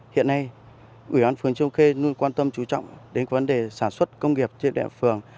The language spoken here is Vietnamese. hiện nay ủy ban phường châu khê luôn quan tâm chú trọng đến vấn đề sản xuất công nghiệp trên địa phường